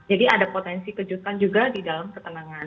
jadi ada potensi kejutan juga di dalam ketenangan